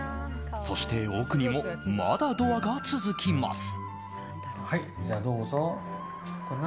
そして奥にもまだドアが続きます。